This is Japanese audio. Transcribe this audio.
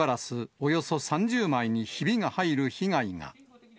およそ３０枚にひびが入る被害が。